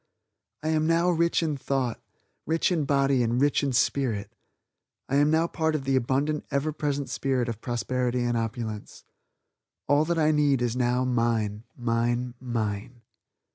"I am now rich in thought, rich in body and rich in spirit. I am now part of the abundant ever present spirit of prosperity and opulence. All that I need is now mine, mine, mine."